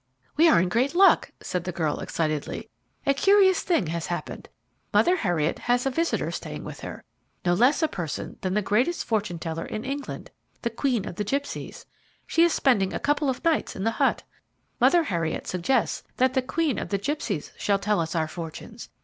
"We are in great luck," said the girl excitedly. "A curious thing has happened. Mother Heriot has a visitor staying with her, no less a person than the greatest fortune teller in England, the Queen of the Gipsies; she is spending a couple of nights in the hut. Mother Heriot suggests that the Queen of the Gipsies shall tell us our fortunes.